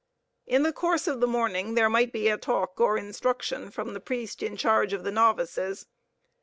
In the course of the morning there might be a talk or instruction from the priest in charge of the novices.